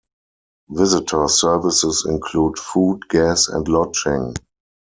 Visitor services include food, gas and lodging.